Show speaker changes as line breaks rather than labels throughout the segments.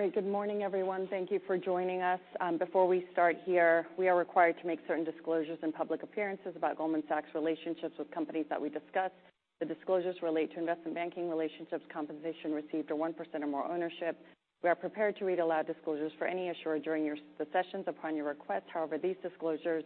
Great. Good morning, everyone. Thank you for joining us. Before we start here, we are required to make certain disclosures and public appearances about Goldman Sachs' relationships with companies that we discuss. The disclosures relate to investment banking relationships, compensation received, or 1% or more ownership. We are prepared to read aloud disclosures for any issuer during the sessions upon your request. These disclosures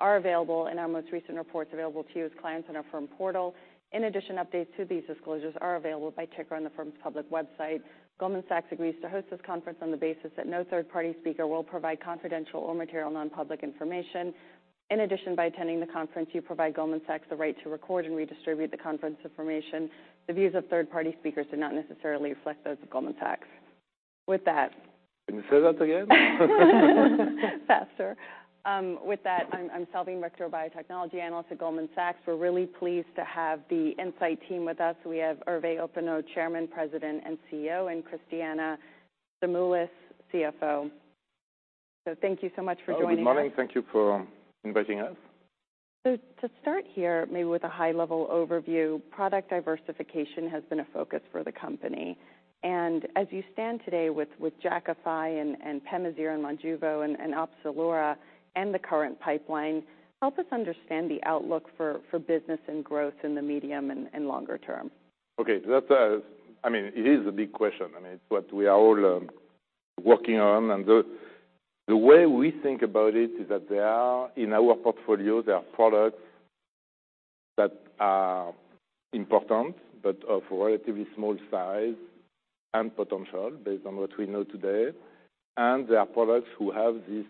are available in our most recent reports, available to you as clients in our firm portal. Updates to these disclosures are available by ticker on the firm's public website. Goldman Sachs agrees to host this conference on the basis that no third-party speaker will provide confidential or material non-public information. By attending the conference, you provide Goldman Sachs the right to record and redistribute the conference information. The views of third-party speakers do not necessarily reflect those of Goldman Sachs. With that.
Can you say that again?
Faster. With that, I'm Salveen Richter, biotechnology analyst at Goldman Sachs. We're really pleased to have the Incyte team with us. We have Hervé Hoppenot, Chairman, President, and CEO, and Christiana Stamoulis, CFO. Thank you so much for joining us.
Good morning. Thank you for inviting us.
To start here, maybe with a high-level overview, product diversification has been a focus for the company. As you stand today with Jakafi and PEMAZYRE and Monjuvi, and Opzelura, and the current pipeline, help us understand the outlook for business and growth in the medium and longer term.
Okay. That's, I mean, it is a big question. I mean, it's what we are all working on. The way we think about it is that there are, in our portfolio, there are products that are important, but of relatively small size and potential, based on what we know today. There are products who have these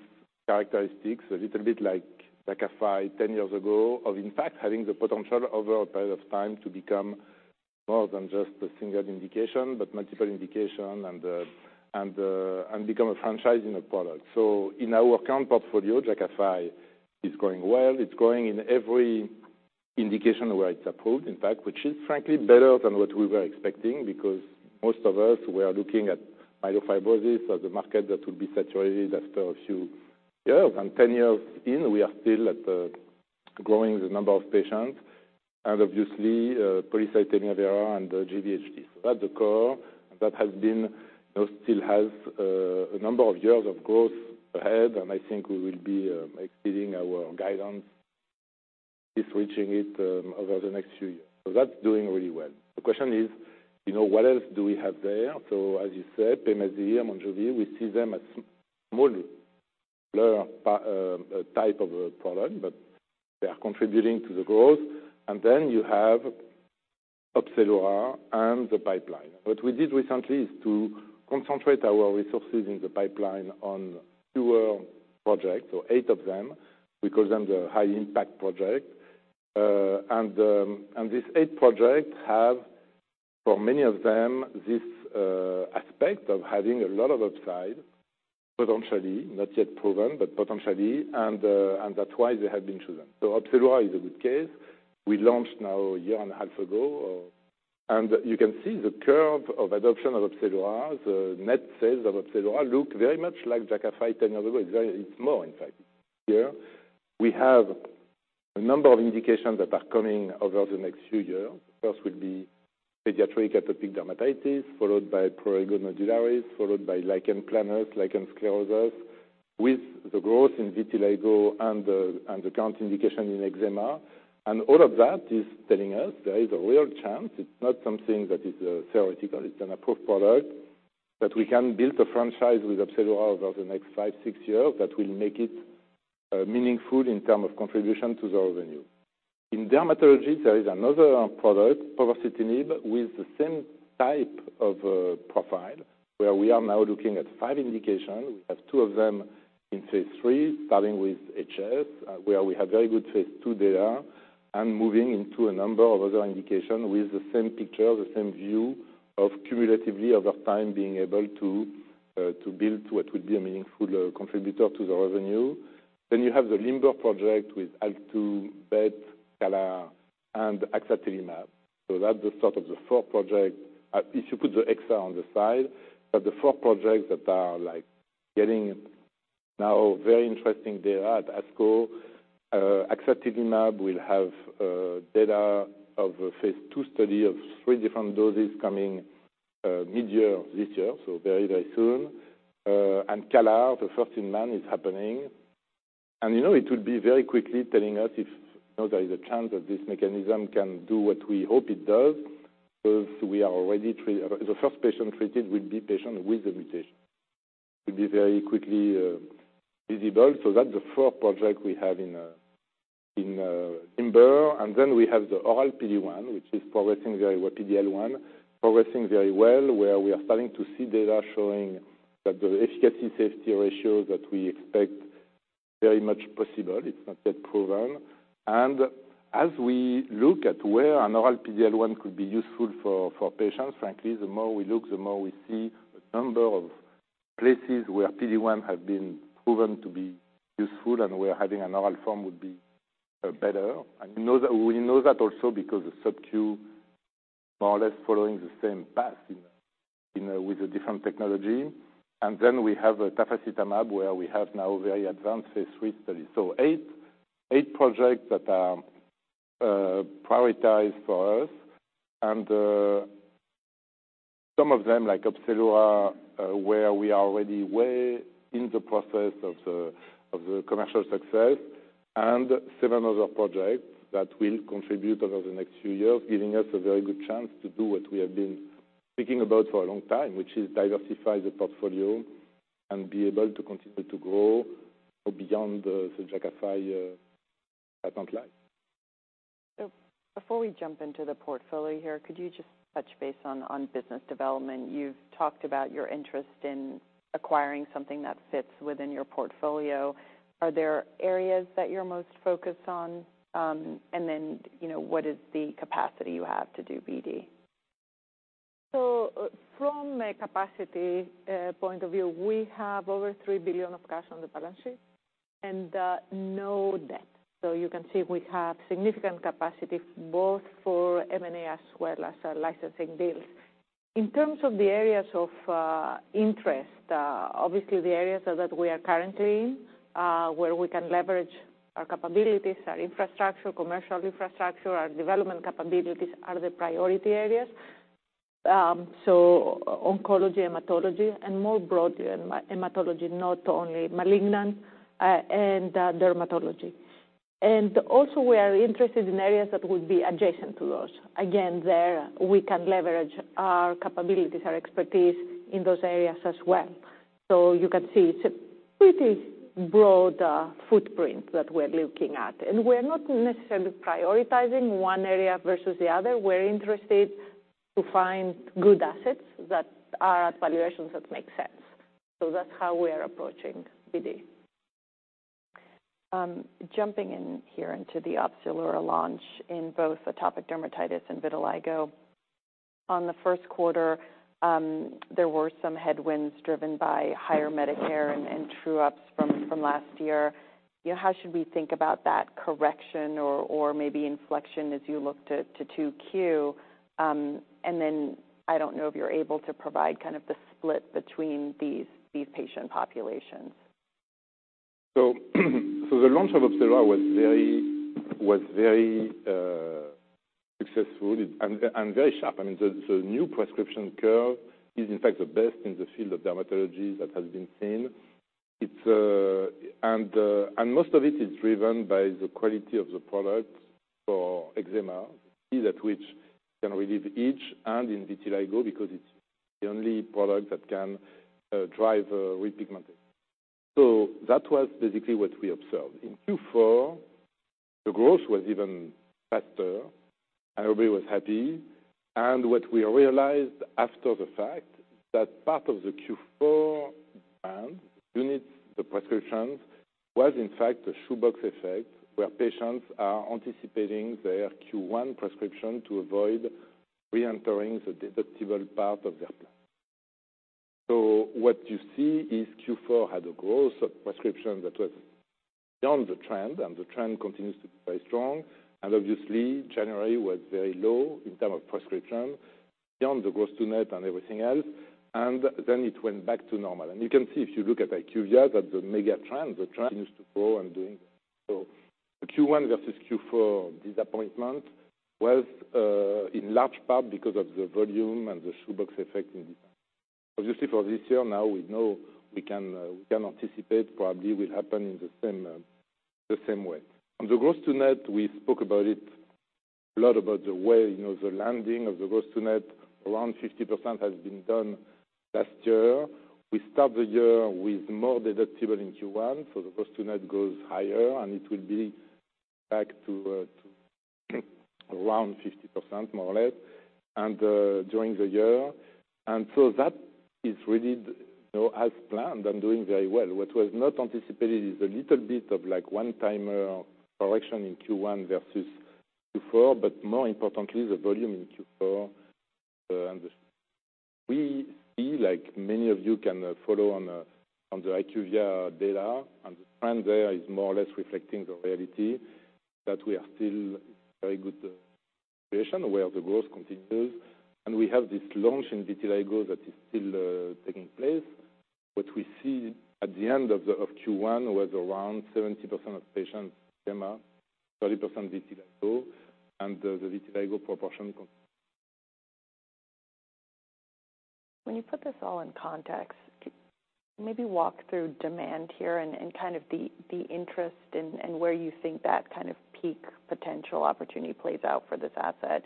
characteristics, a little bit like Jakafi 10 years ago, of, in fact, having the potential over a period of time to become more than just a single indication, but multiple indication and become a franchising product. In our current portfolio, Jakafi is going well. It's going in every indication where it's approved, in fact, which is frankly better than what we were expecting, because most of us were looking at myelofibrosis as a market that would be saturated after a few years. 10 years in, we are still at growing the number of patients, and obviously, polycythemia vera and GVHD. At the core, that has been, you know, still has a number of years of growth ahead, and I think we will be exceeding our guidance, if reaching it, over the next few years. That's doing really well. The question is, you know, what else do we have there? As you said, PEMAZYRE, Monjuvi, we see them as smaller type of a product, but they are contributing to the growth. Then you have Opzelura and the pipeline. What we did recently is to concentrate our resources in the pipeline on fewer projects, 8 of them. We call them the high-impact project. These 8 projects have, for many of them, this aspect of having a lot of upside, potentially, not yet proven, but potentially, and that's why they have been chosen. Opzelura is a good case. We launched now a year and a half ago, and you can see the curve of adoption of Opzelura. The net sales of Opzelura look very much like Jakafi 10 years ago. It's more, in fact. Yeah. We have a number of indications that are coming over the next few years. First will be pediatric atopic dermatitis, followed by prurigo nodularis, followed by lichen planus, lichen sclerosus, with the growth in vitiligo and the, and the current indication in eczema. All of that is telling us there is a real chance, it's not something that is theoretical, it's an approved product, that we can build a franchise with Opzelura over the next 5, 6 years that will make it meaningful in term of contribution to the revenue. In dermatology, there is another product, povorcitinib, with the same type of profile, where we are now looking at 5 indications. We have 2 of them in phase 3, starting with HS, where we have very good phase 2 data, and moving into a number of other indications with the same picture, the same view of cumulatively over time being able to build what would be a meaningful contributor to the revenue. You have the LIMBER project with ALK2, BET, CALR, and axatilimab. That's the start of the four project if you put the XR on the side, but the four projects that are, like, getting now very interesting data at ASCO. Axatilimab will have data of a phase two study of three different doses coming mid-year this year, so very, very soon. CALR, the first in man, is happening. You know, it will be very quickly telling us if, you know, there is a chance that this mechanism can do what we hope it does, because we are already the first patient treated will be patient with the mutation. It will be very quickly visible. That's the fourth project we have in LIMBER. We have the oral PD-1, which is progressing very well, PDL-1, progressing very well, where we are starting to see data showing that the efficacy/safety ratio that we expect very much possible. It's not yet proven. As we look at where an oral PDL-1 could be useful for patients, frankly, the more we look, the more we see a number of places where PD-1 have been proven to be useful, and where having an oral form would be better. We know that, we know that also because the subcu more or less following the same path, you know, with a different technology. We have Tafasitamab, where we have now very advanced phase 3 study. 8 projects that are prioritized for us. Some of them, like Opzelura, where we are already way in the process of the, of the commercial success, and seven other projects that will contribute over the next few years, giving us a very good chance to do what we have been speaking about for a long time, which is diversify the portfolio and be able to continue to grow beyond the Jakafi five pipeline.
Before we jump into the portfolio here, could you just touch base on business development? You've talked about your interest in acquiring something that fits within your portfolio. Are there areas that you're most focused on? You know, what is the capacity you have to do BD?
From a capacity point of view, we have over $3 billion of cash on the balance sheet and no debt. You can see we have significant capacity both for M&A as well as licensing deals. In terms of the areas of interest, obviously, the areas that we are currently in, where we can leverage our capabilities, our infrastructure, commercial infrastructure, our development capabilities are the priority areas. Oncology, hematology, and more broadly, hematology, not only malignant, and dermatology. Also, we are interested in areas that would be adjacent to those. Again, there, we can leverage our capabilities, our expertise in those areas as well. You can see it's a pretty broad footprint that we're looking at, and we're not necessarily prioritizing one area versus the other. We're interested to find good assets that are at valuations that make sense. That's how we are approaching BD.
Jumping in here into the Opzelura launch in both atopic dermatitis and vitiligo. On the first quarter, there were some headwinds driven by higher Medicare and true-ups from last year. You know, how should we think about that correction or maybe inflection as you look to 2Q? I don't know if you're able to provide kind of the split between these patient populations.
The launch of Opzelura was very successful and very sharp. I mean, the new prescription curve is, in fact, the best in the field of dermatology that has been seen. It's. Most of it is driven by the quality of the product for eczema, is that which can relieve itch and in vitiligo because it's the only product that can drive repigmentation. That was basically what we observed. In Q4, the growth was even faster. Everybody was happy. What we realized after the fact, that part of the Q4 brand units, the prescriptions, was, in fact, a shoebox effect, where patients are anticipating their Q1 prescription to avoid reentering the deductible part of their plan. What you see is Q4 had a growth of prescription that was beyond the trend, and the trend continues to be very strong. Obviously, January was very low in terms of prescription, beyond the gross-to-net and everything else, and then it went back to normal. You can see, if you look at IQVIA, that the mega trend, the trend continues to grow and doing. The Q1 versus Q4 disappointment was in large part because of the volume and the shoebox effect in design. Obviously, for this year, now we know we can anticipate probably will happen in the same way. On the gross-to-net, we spoke about it, a lot about the way, you know, the landing of the gross-to-net, around 50% has been done last year. We start the year with more deductible in Q1. The gross-to-net goes higher, and it will be back to, around 50%, more or less, during the year. That is really, you know, as planned and doing very well. What was not anticipated is a little bit of, like, one-time, correction in Q1 versus Q4, but more importantly, the volume in Q4. We see, like many of you can, follow on the IQVIA data, and the trend there is more or less reflecting the reality, that we are still very good situation where the growth continues, and we have this launch in vitiligo that is still, taking place. What we see at the end of Q1 was around 70% of patients, eczema, 30% vitiligo, and the vitiligo proportion.
When you put this all in context, could maybe walk through demand here and kind of the interest and where you think that kind of peak potential opportunity plays out for this asset,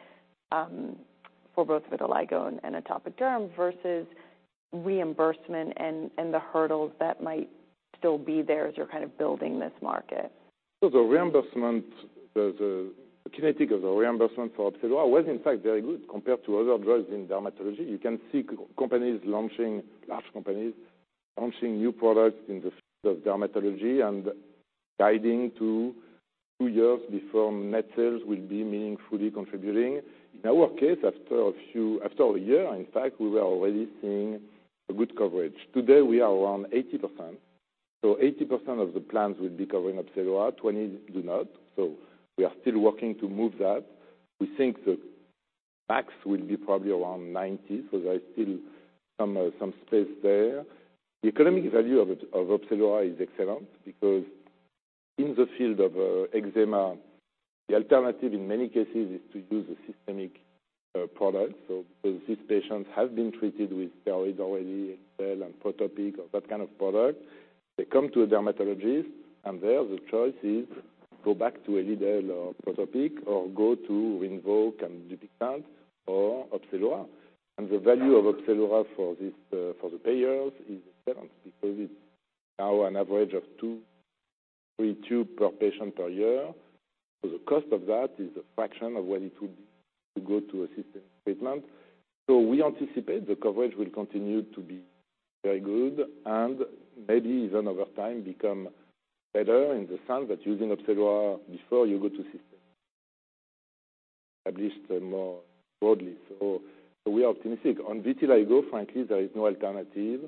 for both vitiligo and atopic derm versus reimbursement and the hurdles that might still be there as you're kind of building this market?
The reimbursement, the kinetic of the reimbursement for Opzelura was in fact very good compared to other drugs in dermatology. You can see companies launching, large companies, launching new products in the field of dermatology and guiding to 2 years before net sales will be meaningfully contributing. In our case, after a year, in fact, we were already seeing a good coverage. Today, we are around 80%. 80% of the plans will be covering Opzelura, 20 do not. We are still working to move that. We think that max will be probably around 90%, so there is still some space there. The economic value of Opzelura is excellent, because in the field of eczema, the alternative in many cases is to use a systemic product. These patients have been treated with steroids already, Elidel and Protopic, or that kind of product. They come to a dermatologist, and there, the choice is go back to Elidel or Protopic, or go to RINVOQ and Dupixent or Opzelura. The value of Opzelura for this, for the payers is excellent, because it's now an average of 2, 3 tubes per patient per year. The cost of that is a fraction of what it would be to go to a systemic treatment. We anticipate the coverage will continue to be very good, and maybe even over time, become better in the sense that using Opzelura before you go to systemic, at least more broadly. We are optimistic. On vitiligo, frankly, there is no alternative.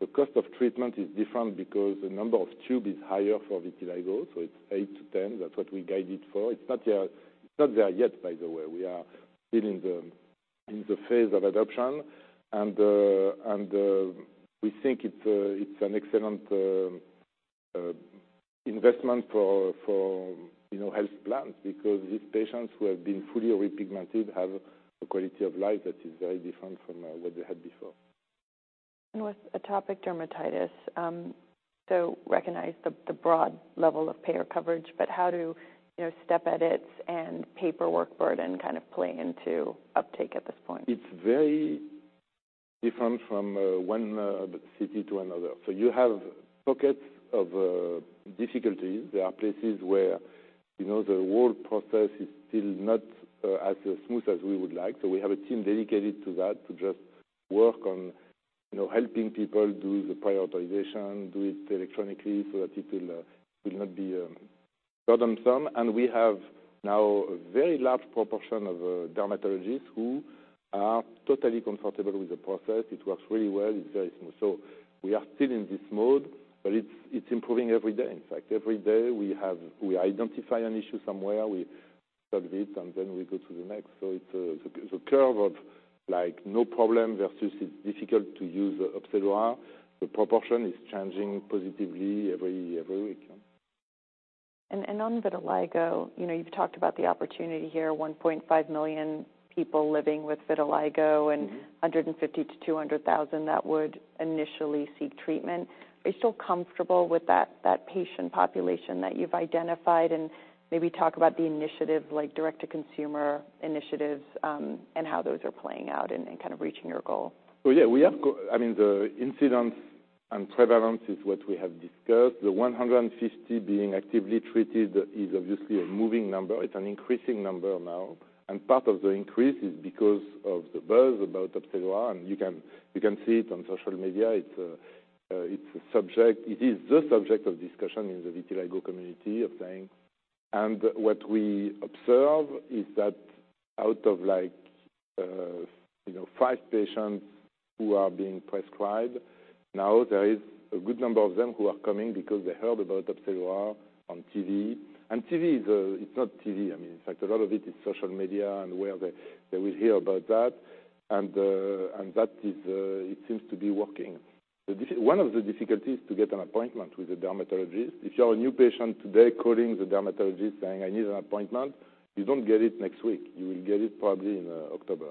The cost of treatment is different because the number of tubes is higher for vitiligo, so it's 8-10. That's what we guide it for. It's not there, it's not there yet, by the way. We are still in the phase of adoption. We think it's an excellent investment for, you know, health plans, because these patients who have been fully repigmented have a quality of life that is very different from what they had before.
With atopic dermatitis, recognize the broad level of payer coverage, how do, you know, step edits and paperwork burden kind of play into uptake at this point?
It's very different from one city to another. You have pockets of difficulty. There are places where, you know, the whole process is still not as smooth as we would like. We have a team dedicated to that, to just work on, you know, helping people do the prioritization, do it electronically, so that it will not be burdensome. We have now a very large proportion of dermatologists who are totally comfortable with the process. It works really well. It's very smooth. We are still in this mode, but it's improving every day. In fact, every day, we identify an issue somewhere, we solve it, and then we go to the next. It's, the curve of like, no problem versus it's difficult to use Opzelura, the proportion is changing positively every week, yeah.
On vitiligo, you know, you've talked about the opportunity here, 1.5 million people living with vitiligo.
Mm-hmm.
and 150,000-200,000 that would initially seek treatment. Are you still comfortable with that patient population that you've identified? Maybe talk about the initiatives like direct-to-consumer initiatives, and how those are playing out in kind of reaching your goal?
Well, yeah, I mean, the incidence and prevalence is what we have discussed. The 150 being actively treated is obviously a moving number. It's an increasing number now, part of the increase is because of the buzz about Opzelura, and you can see it on social media. It's, it's a subject. It is the subject of discussion in the vitiligo community, I'm saying. What we observe is that out of like, you know, five patients who are being prescribed, now there is a good number of them who are coming because they heard about Opzelura on TV. TV is. It's not TV, I mean, in fact, a lot of it is social media and where they will hear about that. That is, it seems to be working. One of the difficulties to get an appointment with the dermatologist, if you are a new patient today, calling the dermatologist saying, "I need an appointment," you don't get it next week. You will get it probably in October.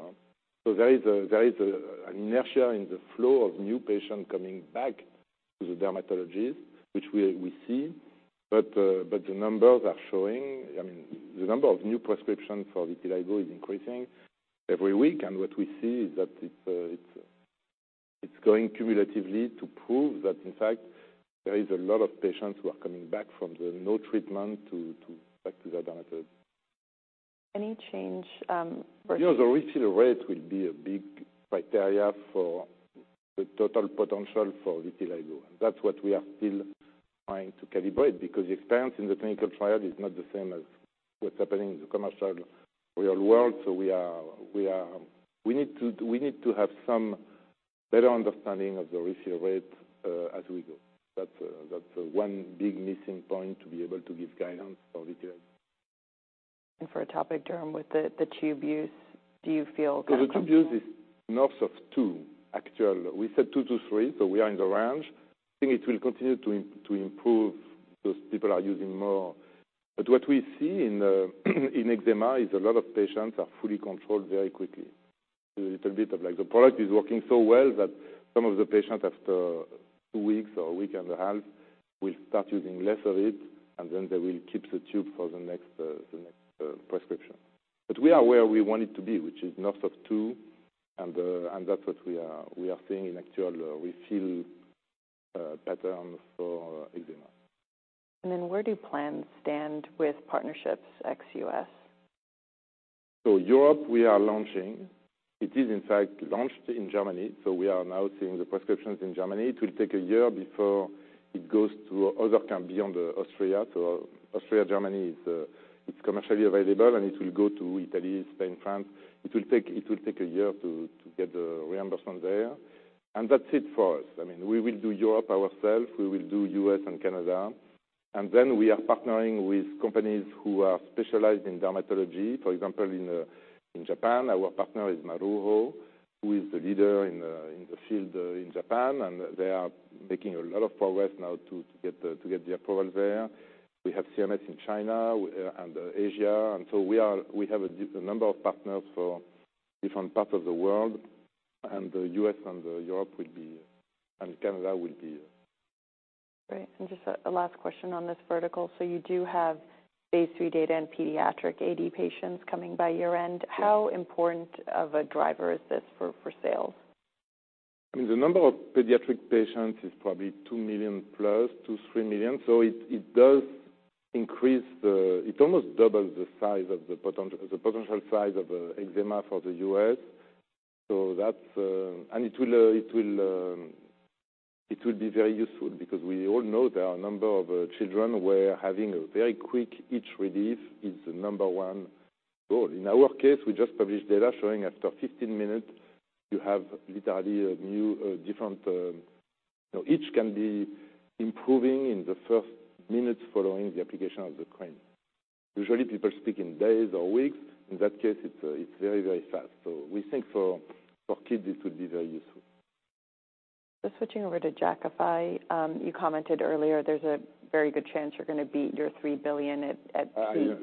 There is an inertia in the flow of new patients coming back to the dermatologist, which we see. The numbers are showing, I mean, the number of new prescriptions for vitiligo is increasing every week, and what we see is that it's going cumulatively to prove that, in fact, there is a lot of patients who are coming back from the no treatment to back to the dermatologist.
Any change.
The refill rate will be a big criteria for the total potential for vitiligo. That's what we are still trying to calibrate, because the experience in the clinical trial is not the same as what's happening in the commercial real world. We are, we need to have some better understanding of the refill rate as we go. That's one big missing point to be able to give guidance for vitiligo.
for atopic derm, with the tube use, do you feel kind of-
The tube use is north of 2, actual. We said 2-3, we are in the range. I think it will continue to improve those people are using more. What we see in eczema is a lot of patients are fully controlled very quickly. A little bit of like the product is working so well that some of the patients, after 2 weeks or a week and a half, will start using less of it, and then they will keep the tube for the next, the next prescription. We are where we wanted to be, which is north of 2. That's what we are seeing in actual refill patterns for eczema.
Where do plans stand with partnerships ex-U.S.?
Europe, we are launching. It is in fact launched in Germany. We are now seeing the prescriptions in Germany. It will take a year before it goes to other country beyond Austria. Austria, Germany, it's commercially available. It will go to Italy, Spain, France. It will take a year to get the reimbursement there. That's it for us. I mean, we will do Europe ourselves. We will do U.S. and Canada. We are partnering with companies who are specialized in dermatology. For example, in Japan, our partner is Maruho, who is the leader in the field in Japan. They are making a lot of progress now to get the approval there. We have CMS in China, and Asia, we have a number of partners for different parts of the world, the U.S. and Europe will be... Canada will be.
Great. Just a last question on this vertical. You do have phase three data in pediatric AD patients coming by year-end.
Yes.
How important of a driver is this for sales?
I mean, the number of pediatric patients is probably 2 million plus, 2, 3 million. It almost doubles the potential size of eczema for the U.S. That's. It will be very useful because we all know there are a number of children where having a very quick itch relief is the number one goal. In our case, we just published data showing after 15 minutes, you have literally a new, a different... Itch can be improving in the first minutes following the application of the cream. Usually, people speak in days or weeks. In that case, it's very, very fast. We think for kids, it will be very useful.
Just switching over to Jakafi. You commented earlier there's a very good chance you're going to beat your $3 billion at peak.
Yes.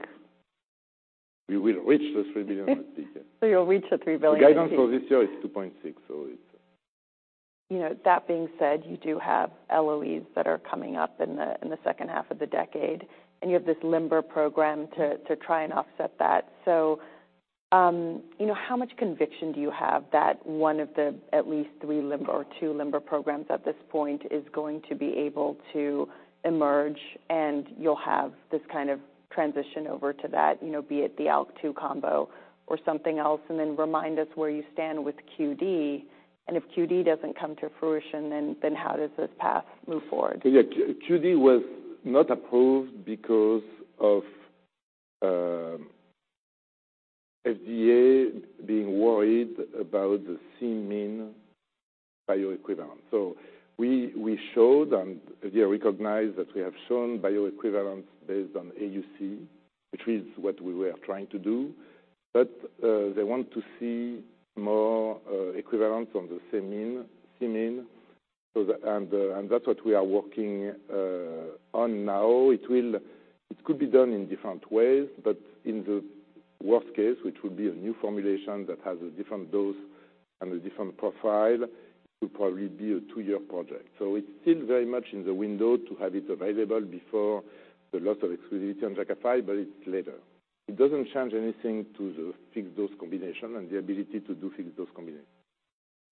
We will reach the $3 billion at peak, yeah.
You'll reach the $3 billion at peak.
The guidance for this year is $2.6, so it's...
You know, that being said, you do have LOEs that are coming up in the second half of the decade, and you have this LIMBER program to try and offset that. You know, how much conviction do you have that one of the at least 3 LIMBER or 2 LIMBER programs at this point is going to be able to emerge, and you'll have this kind of transition over to that, you know, be it the ALK2 combo or something else? Remind us where you stand with QD, and if QD doesn't come to fruition, then how does this path move forward?
Yeah, QD was not approved because of FDA being worried about the Cmin bioequivalence. We showed, and they recognize that we have shown bioequivalence based on AUC, which is what we were trying to do. They want to see more equivalence on the Cmin. And that's what we are working on now. It could be done in different ways, but in the worst case, which would be a new formulation that has a different dose and a different profile, it would probably be a 2-year project. It's still very much in the window to have it available before the loss of exclusivity on Jakafi, but it's later. It doesn't change anything to the fixed dose combination and the ability to do fixed dose combination.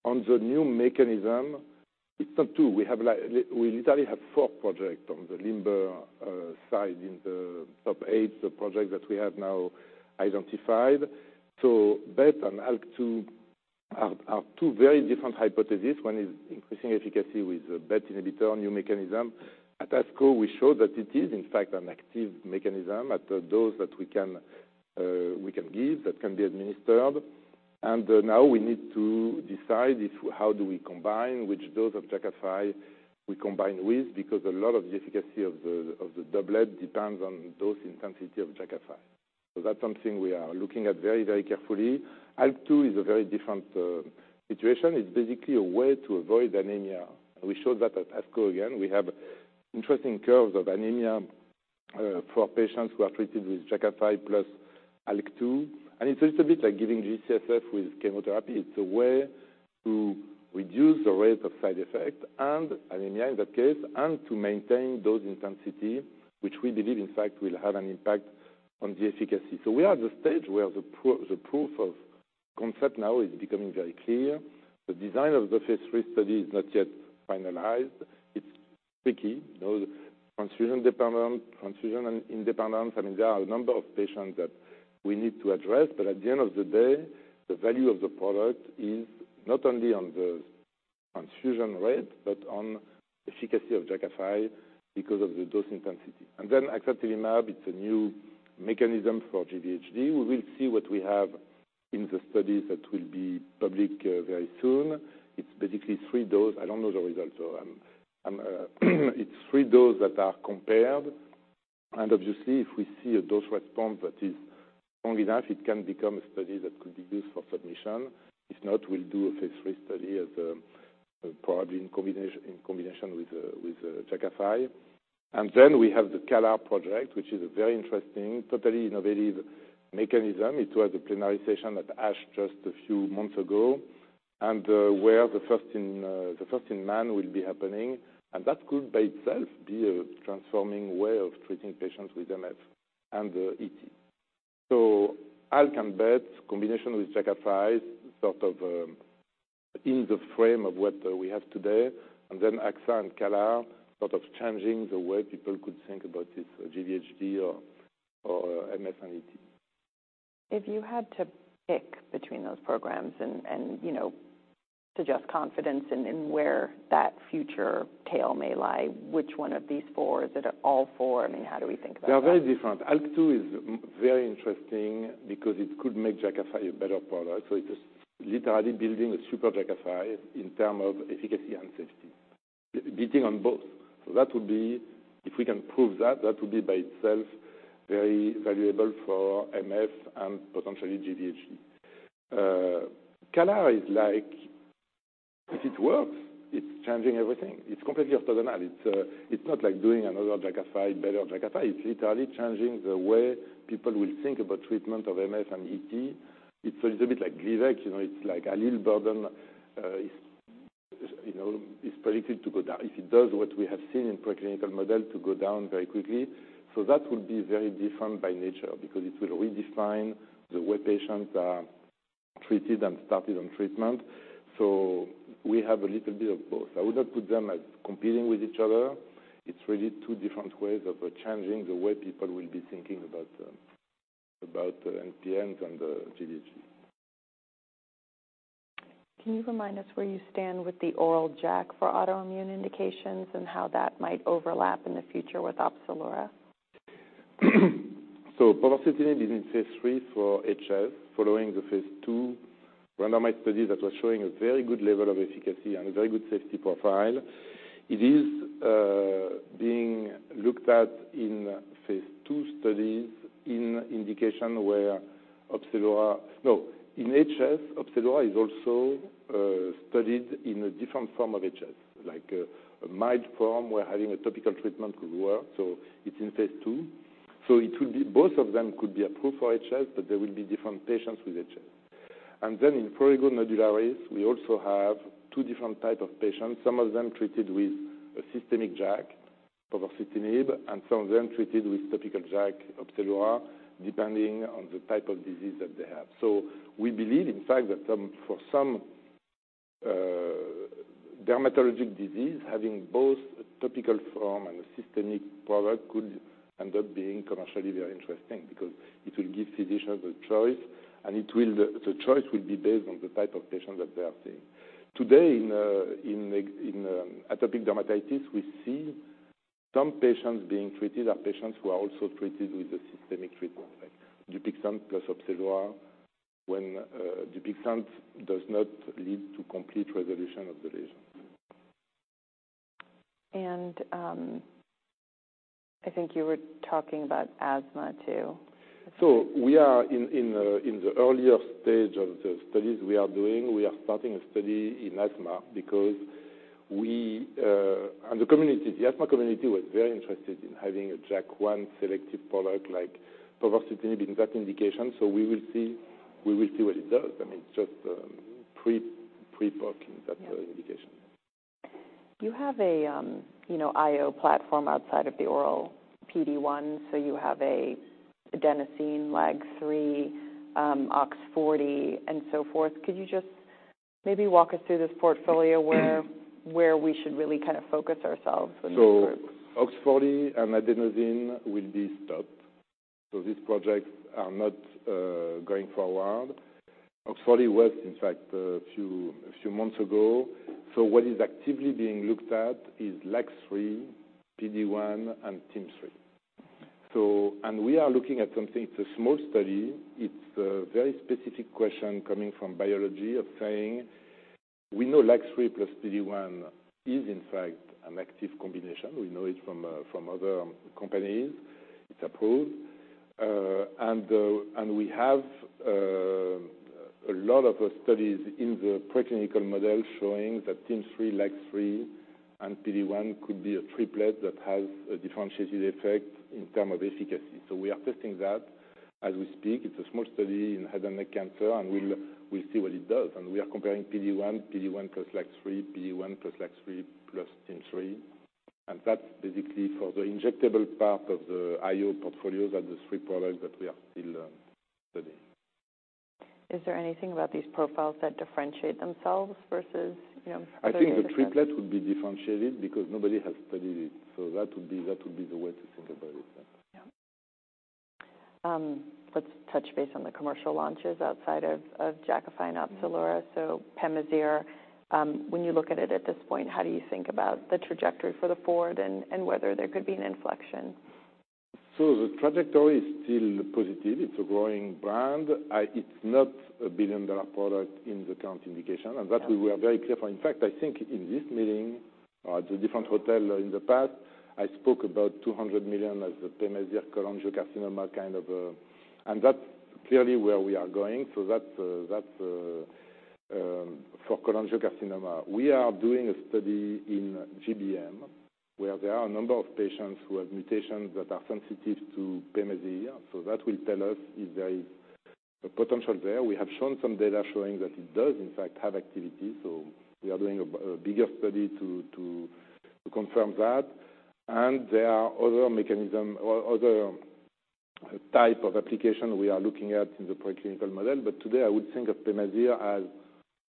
On the new mechanism, it's not 2. We have like we literally have four projects on the LIMBER side in the top eight, the project that we have now identified. BET and ALK2 are two very different hypotheses. One is increasing efficacy with a BET inhibitor, a new mechanism. At ASCO, we showed that it is in fact an active mechanism at the dose that we can give, that can be administered. Now we need to decide if, how do we combine, which dose of Jakafi we combine with, because a lot of the efficacy of the, of the doublet depends on dose intensity of Jakafi. That's something we are looking at very, very carefully. ALK2 is a very different situation. It's basically a way to avoid anemia. We showed that at ASCO again. We have interesting curves of anemia for patients who are treated with Jakafi plus ALK2. It's a little bit like giving GCSF with chemotherapy. It's a way to reduce the rate of side effect and anemia in that case and to maintain dose intensity, which we believe, in fact, will have an impact on the efficacy. We are at the stage where the proof of concept now is becoming very clear. The design of the phase 3 study is not yet finalized. It's tricky. You know, the transfusion dependent, transfusion independence, I mean, there are a number of patients that we need to address. At the end of the day, the value of the product is not only on the transfusion rate, but on efficacy of Jakafi because of the dose intensity. axatilimab, it's a new mechanism for GVHD. We will see what we have in the studies that will be public, very soon. It's basically 3 dose. I don't know the results, so I'm... It's 3 dose that are compared. Obviously, if we see a dose response that is strong enough, it can become a study that could be used for submission. If not, we'll do a phase 3 study as, probably in combination with Jakafi. Then we have the CALR project, which is a very interesting, totally innovative mechanism. It was a plenary session at ASH just a few months ago, and where the first in, the first in man will be happening. That could by itself be a transforming way of treating patients with MF and ET. ALK and BET, combination with Jakafi, sort of, in the frame of what, we have today, and then ASH and CALR, sort of changing the way people could think about this GVHD or MF and ET.
If you had to pick between those programs and, you know, suggest confidence in where that future tale may lie, which one of these 4? Is it all 4? I mean, how do we think about that?
They are very different. ALK2 is very interesting because it could make Jakafi a better product, so it is literally building a super Jakafi in term of efficacy, beating on both. That would be, if we can prove that would be by itself very valuable for MF and potentially GVHD. CALR is like, if it works, it's changing everything. It's completely orthogonal. It's not like doing another Jakafi, better Jakafi. It's literally changing the way people will think about treatment of MF and ET. It's a little bit like Gleevec, you know, it's like allele burden, you know, is predicted to go down. If it does what we have seen in preclinical model, to go down very quickly. That will be very different by nature because it will redefine the way patients are treated and started on treatment. We have a little bit of both. I would not put them as competing with each other. It's really two different ways of changing the way people will be thinking about MPNs and GVHD.
Can you remind us where you stand with the oral JAK for autoimmune indications, and how that might overlap in the future with Opzelura?
Povorcitinib is in phase 3 for HS, following the phase 2 randomized study that was showing a very good level of efficacy and a very good safety profile. It is being looked at in phase 2 studies in indication where in HS, Opzelura is also studied in a different form of HS, like a mild form, where having a topical treatment could work, so it's in phase 2. Both of them could be approved for HS, but they will be different patients with HS. In prurigo nodularis, we also have 2 different type of patients, some of them treated with a systemic JAK, povorcitinib, and some of them treated with topical JAK, Opzelura, depending on the type of disease that they have. We believe, in fact, that for some dermatologic disease, having both a topical form and a systemic product could end up being commercially very interesting because it will give physicians a choice, and the choice will be based on the type of patient that they are seeing. Today, in atopic dermatitis, we see some patients being treated are patients who are also treated with a systemic treatment, like Dupixent plus Opzelura, when Dupixent does not lead to complete resolution of the lesion.
I think you were talking about asthma, too.
We are in the earlier stage of the studies we are doing. We are starting a study in asthma because we and the community, the asthma community was very interested in having a JAK1 selective product like povorcitinib in that indication. We will see, we will see what it does. I mean, it's just pre-work in that indication.
You have a, you know, IO platform outside of the oral PD-1, so you have a adenosine LAG-3, OX40, and so forth. Could you just maybe walk us through this portfolio where we should really kind of focus ourselves in this group?
OX40 and adenosine will be stopped. These projects are not going forward. OX40 was, in fact, a few months ago. What is actively being looked at is LAG-3, PD-1, and TIM-3. We are looking at something, it's a small study. It's a very specific question coming from biology of saying, we know LAG-3 plus PD-1 is, in fact, an active combination. We know it from other companies. It's approved. We have a lot of studies in the preclinical model showing that TIM-3, LAG-3, and PD-1 could be a triplet that has a differentiated effect in term of efficacy. We are testing that as we speak. It's a small study in head and neck cancer, and we'll see what it does. We are comparing PD-1, PD-1 plus LAG-3, PD-1 plus LAG-3 plus TIM-3. That's basically for the injectable part of the IO portfolio, that the three products that we are still studying.
Is there anything about these profiles that differentiate themselves versus, you know, other-?
I think the triplet would be differentiated because nobody has studied it. That would be the way to think about it.
Yeah. let's touch base on the commercial launches outside of Jakafi and Opzelura. PEMAZYRE, when you look at it at this point, how do you think about the trajectory for the forward and whether there could be an inflection?
The trajectory is still positive. It's a growing brand. It's not a billion-dollar product in the current indication, that we were very clear for. In fact, I think in this meeting, at a different hotel in the past, I spoke about $200 million as the PEMAZYRE cholangiocarcinoma kind of... That's clearly where we are going, so that's, for cholangiocarcinoma. We are doing a study in GBM, where there are a number of patients who have mutations that are sensitive to PEMAZYRE, so that will tell us if there is a potential there. We have shown some data showing that it does, in fact, have activity, so we are doing a bigger study to confirm that. There are other mechanism or other type of application we are looking at in the preclinical model. Today, I would think of PEMAZYRE as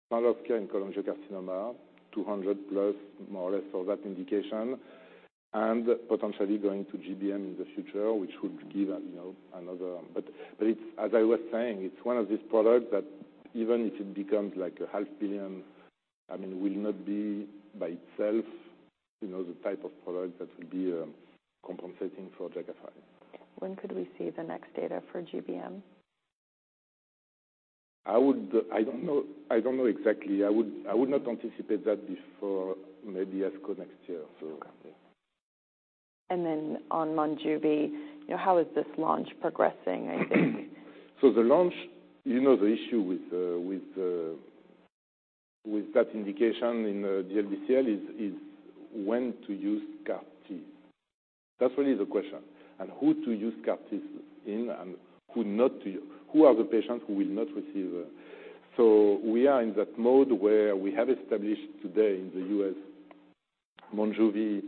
small risk in cholangiocarcinoma, $200+, more or less, for that indication, and potentially going to GBM in the future, which would give, you know, another... It's, as I was saying, it's one of these products that even if it becomes like a half billion, I mean, will not be by itself, you know, the type of product that will be compensating for Jakafi.
When could we see the next data for GBM?...
I would, I don't know, I don't know exactly. I would not anticipate that before maybe ASCO next year, yeah.
On Monjuvi, you know, how is this launch progressing, I think?
The launch, you know, the issue with the, with that indication in the DLBCL is when to use CAR T. That's really the question, and who to use CAR Ts in and who not to use who are the patients who will not receive it? We are in that mode where we have established today in the U.S., Monjuvi,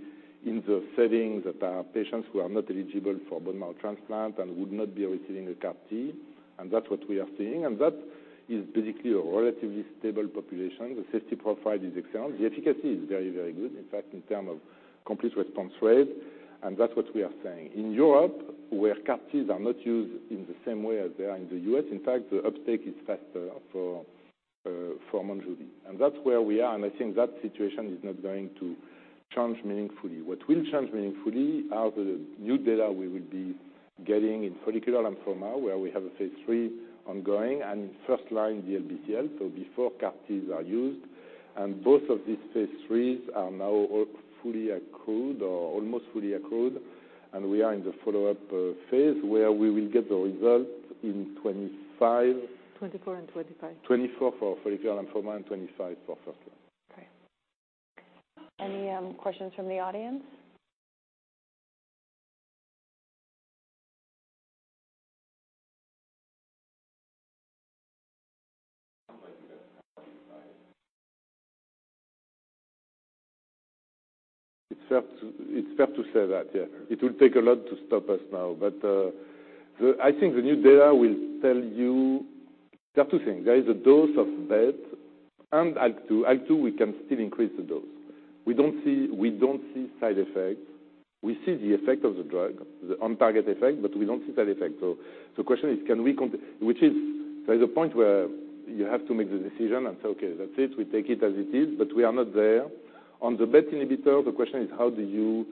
in the setting that our patients who are not eligible for bone marrow transplant and would not be receiving a CAR T, and that's what we are seeing. That is basically a relatively stable population. The safety profile is excellent. The efficacy is very, very good, in fact, in term of complete response rate, and that's what we are saying. In Europe, where CAR Ts are not used in the same way as they are in the U.S., in fact, the uptake is faster for Monjuvi. That's where we are, and I think that situation is not going to change meaningfully. What will change meaningfully are the new data we will be getting in follicular and lymphoma, where we have a phase 3 ongoing, and first line, the DLBCL, so before CAR Ts are used. Both of these phase 3s are now all fully accrued or almost fully accrued, and we are in the follow-up phase, where we will get the results in 2025.
2024 and 2025.
2024 for follicular lymphoma and 2025 for first line.
Okay. Any, questions from the audience?
It's fair to say that, yeah. It will take a lot to stop us now. I think the new data will tell you. There are two things. There is the dose of BET and IL-2. IL-2, we can still increase the dose. We don't see side effects. We see the effect of the drug, the on-target effect, but we don't see side effects. The question is, can we which is, there's a point where you have to make the decision and say, "Okay, that's it, we take it as it is," but we are not there. On the BET inhibitor, the question is: How do you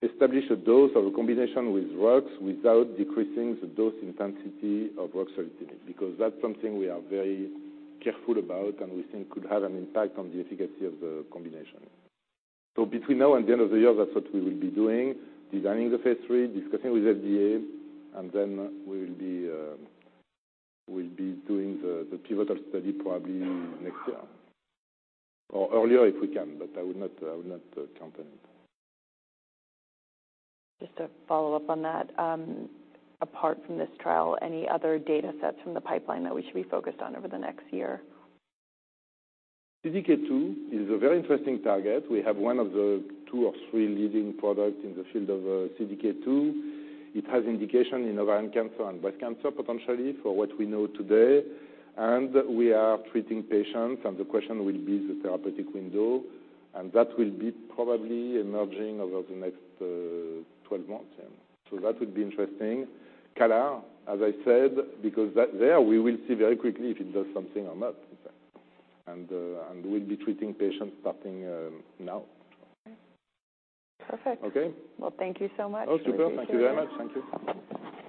establish a dose or a combination with Rux without decreasing the dose intensity of ruxolitinib? That's something we are very careful about and we think could have an impact on the efficacy of the combination. Between now and the end of the year, that's what we will be doing, designing the phase 3, discussing with FDA, and then we will be doing the pivotal study probably next year, or earlier if we can. I would not count on it.
Just to follow up on that, apart from this trial, any other data sets from the pipeline that we should be focused on over the next year?
CDK2 is a very interesting target. We have one of the 2 or 3 leading products in the field of CDK2. It has indication in ovarian cancer and breast cancer, potentially, for what we know today. We are treating patients, and the question will be the therapeutic window, and that will be probably emerging over the next 12 months, yeah. That would be interesting. CALR, as I said, because that, there, we will see very quickly if it does something or not, in fact. We'll be treating patients starting now.
Okay, perfect.
Okay.
Well, thank you so much.
Oh, super. Thank you very much. Thank you.